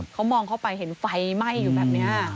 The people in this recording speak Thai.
เขามองเข้าไปเห็นไฟไหม้อยู่แบบนี้